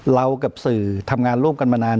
กับสื่อทำงานร่วมกันมานาน